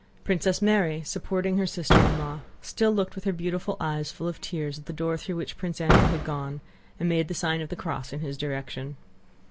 Princess Mary, supporting her sister in law, still looked with her beautiful eyes full of tears at the door through which Prince Andrew had gone and made the sign of the cross in his direction.